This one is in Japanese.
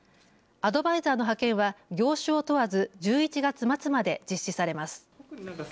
アドバイザーの派遣は業種を問わず１１月末まで実施されます。